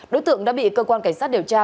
đối tượng đã bị cơ quan cảnh sát điều tra